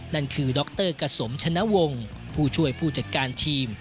นั่นคือดรกสมชนะวงศ์ผู้ช่วยผู้จัดการทีม